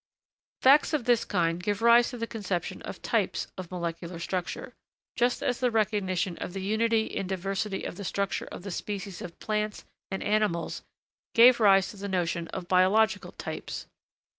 Facts of this kind gave rise to the conception of 'types' of molecular structure, just as the recognition of the unity in diversity of the structure of the species of plants and animals gave rise to the notion of biological 'types.'